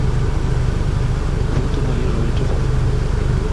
তার ফুফাতো ভাই রুয়েটে পড়ে।